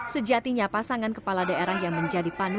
sejatinya pasangan kepala daerah yang menjadi panutan